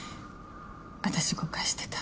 私誤解してた。